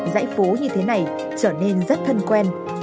dãy phố như thế này trở nên rất thân quen